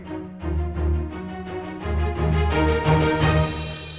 tapi setelah ini